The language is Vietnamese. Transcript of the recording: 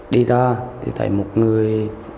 đi ra thì thầy mục người